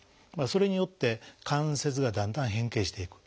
それによって関節がだんだん変形していく。